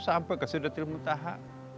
sampai ke sudatil muntaha